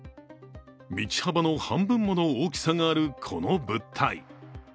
道幅の半分もの大きさがあるこの物体。